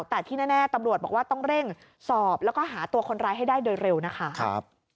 แต่ที่แน่ตำรวจบอกว่าต้องเร่งสอบแล้วก็หาตัวคนร้ายให้ได้โดยเร็วนะคะ